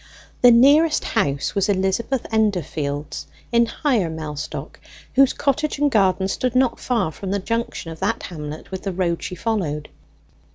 The nearest house was Elizabeth Endorfield's, in Higher Mellstock, whose cottage and garden stood not far from the junction of that hamlet with the road she followed.